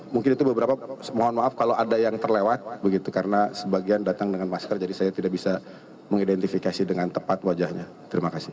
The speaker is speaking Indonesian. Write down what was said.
mungkin itu beberapa mohon maaf kalau ada yang terlewat begitu karena sebagian datang dengan masker jadi saya tidak bisa mengidentifikasi dengan tepat wajahnya terima kasih